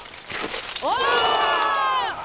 お！